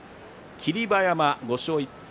霧馬山は５勝１敗